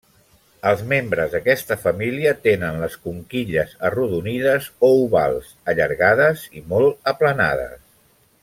Els membres d'aquesta família tenen les conquilles arrodonides o ovals, allargades i molt aplanades.